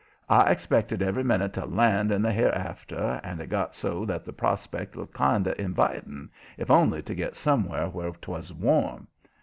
I expected every minute to land in the hereafter, and it got so that the prospect looked kind of inviting, if only to get somewheres where 'twas warm.